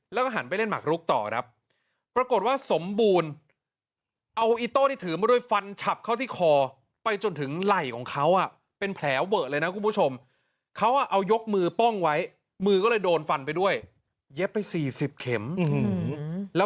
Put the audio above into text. เลยแล้วก็หันไปเล่นหมากลุกต่อปรากฏว่า